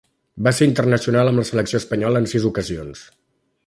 Va ser internacional amb la selecció espanyola en sis ocasions.